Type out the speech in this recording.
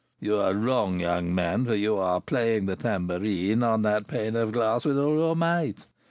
"You are wrong, young man; for you are playing the tambourine on that pane of glass with all your might.